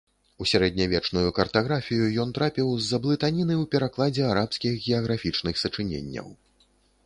У сярэднявечную картаграфію ён трапіў з-за блытаніны ў перакладзе арабскіх геаграфічных сачыненняў.